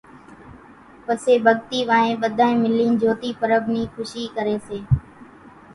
پسي ڀڳتي وانھين ٻڌانئين ملين جھوتي پرٻ نِي کُشي ڪري سي